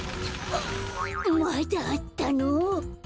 まだあったの？